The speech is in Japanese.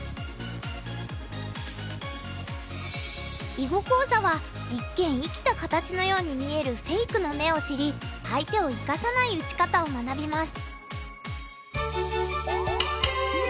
囲碁講座は一見生きた形のように見えるフェイクの目を知り相手を生かさない打ち方を学びます。